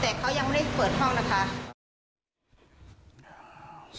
แต่เขายังไม่ได้เปิดห้องนะคะ